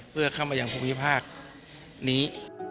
เพื่อเข้ามาอย่างพรุ่งพีภาคนี้